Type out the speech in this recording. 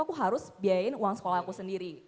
aku harus biayain uang sekolahku sendiri